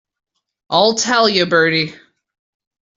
I'll tell you, Bertie.